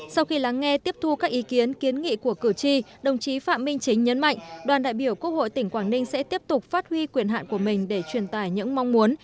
sau khi lắng nghe tiếp thu các ý kiến kiến nghị của cử tri đồng chí phạm minh chính nhấn mạnh đoàn đại biểu quốc hội tỉnh quảng ninh sẽ tiếp tục phát huy quyền hạn của mình để truyền tải những mong muốn